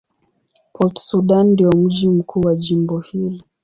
Port Sudan ndio mji mkuu wa jimbo hili.